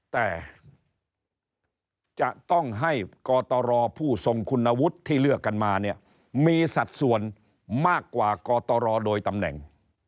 แต่จะต้องให้กตรผู้ทรงคุณวุฒิที่เลือกกันมาเนี่ยมีสัดส่วนมากกว่ากตรโดยตำแหน่ง